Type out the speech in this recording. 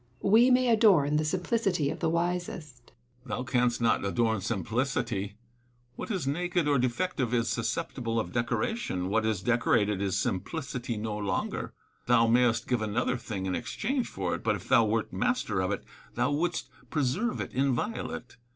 We may adorn the simplicity of the wisest. Ejnctetus. Thou canst not adorn simplicityj What is naked or defective is susceptible of decoration : what is decorated is simplicity no longer. Thou mayest give another thing in exchange for it; but if thou wert master of it, thou wouldst preserve it inviolate.